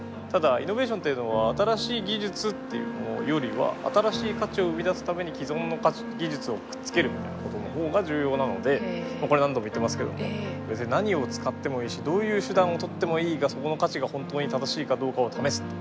ただイノベーションっていうのは新しい技術っていうよりは新しい価値を生み出すために既存の技術をくっつけるみたいなことの方が重要なのでこれ何度も言ってますけども別に何を使ってもいいしどういう手段をとってもいいがそこの価値が本当に正しいかどうかを試す。